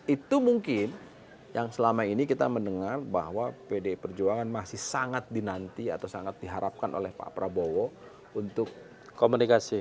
itu mungkin yang selama ini kita mendengar bahwa pdi perjuangan masih sangat dinanti atau sangat diharapkan oleh pak prabowo untuk komunikasi